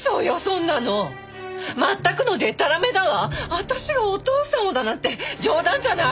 私がお義父さんをだなんて冗談じゃない！